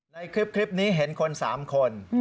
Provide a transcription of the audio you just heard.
ในคลิปนี้เห็นคน๓คน